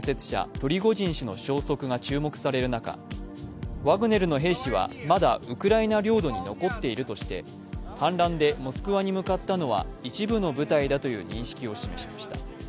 プリゴジン氏の消息が注目される中、ワグネルの兵士はまだウクライナ領土に残っているとして反乱でモスクワに向かったのは一部の部隊だとの認識を示しました。